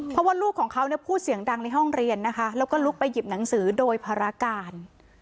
เพราะว่าลูกของเขาเนี่ยพูดเสียงดังในห้องเรียนนะคะแล้วก็ลุกไปหยิบหนังสือโดยภารการ